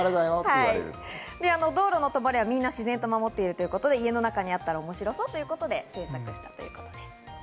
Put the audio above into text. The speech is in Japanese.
道路の「止まれ」はみんな自然と守っているということで、家の中にあったら面白そうということで制作されたそうです。